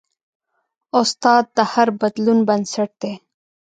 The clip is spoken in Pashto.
استاد د هر بدلون بنسټ دی.